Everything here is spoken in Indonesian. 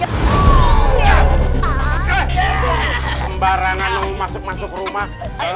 sembarangan mau masuk masuk rumah